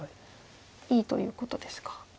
いいということですか。